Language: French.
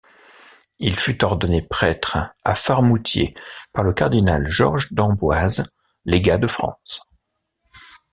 Il fut ordonné prêtre à Faremoutiers par le cardinal Georges d'Amboise, légat de France.